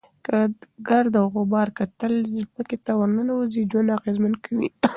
که د ګرد او غبار کتل ځمکې ته ورننوزي، ژوند اغېزمن کېږي.